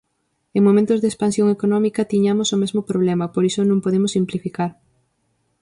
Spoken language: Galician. En momentos de expansión económica tiñamos o mesmo problema, por iso non podemos simplificar.